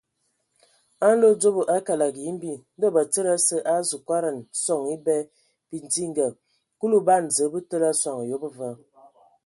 A nlodzobo a kələg yimbi, Ndɔ batsidi asǝ a azu kɔdan sɔŋ ebɛ bidinga; Kulu ban Zǝə bə təlǝ a soŋ ayob va.